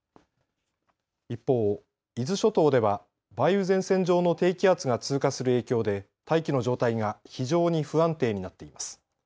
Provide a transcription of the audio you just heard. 一方、伊豆諸島では梅雨前線上の低気圧が通過する影響で大気の状態が非常に不安定になっています。